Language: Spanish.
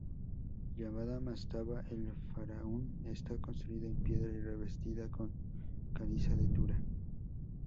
Llamada "Mastaba el-Faraun" está construida en piedra y revestida con caliza de Tura.